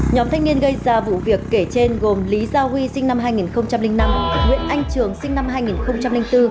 nhóm thanh niên gây ra vụ việc kể trên gồm lý gia huy sinh năm hai nghìn năm nguyễn anh trường sinh năm hai nghìn bốn